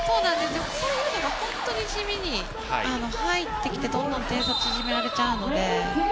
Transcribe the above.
こういうのが本当に地味に入ってきてどんどん点差を詰められてしまうので。